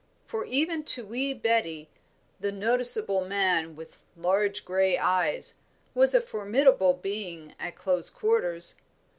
For, even to wee Betty, "the noticeable man, with large grey eyes" was a formidable being at close quarters.